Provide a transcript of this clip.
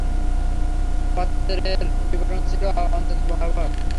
পত্রের বিবরণ ছিল অত্যন্ত ভয়ানক।